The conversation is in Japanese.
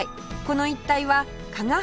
この一帯は加賀